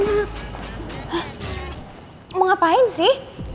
mau ngapain sih